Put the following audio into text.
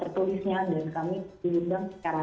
untuk bisa langsung berdiskusikan atau membela argument kita